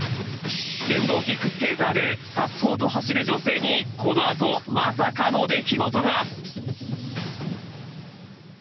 電動キックスケーターで、さっそうと走る女性にこのあと、まさかの出来事が。